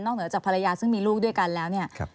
เหนือจากภรรยาซึ่งมีลูกด้วยกันแล้วเนี่ย